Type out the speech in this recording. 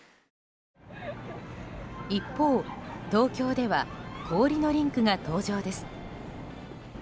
一方、東京では氷のリンクが登場です。